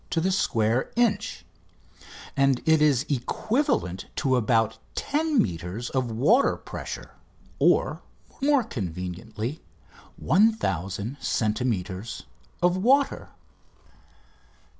to the square inch), and it is equivalent to about 10 metres of water pressure, or, more conveniently, 1000 centimetres of "water."